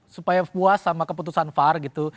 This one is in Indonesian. supaya puas sama keputusan var gitu